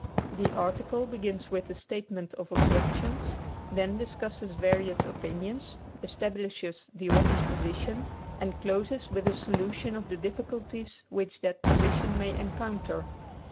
The "article" begins with the statement of objections, then discusses various opinions, establishes the author's position, and closes with a solution of the difficulties which that position may encounter.